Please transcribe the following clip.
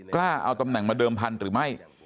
กล้าเอาตำแหน่งมาเดิมพันธุ์หรือไม่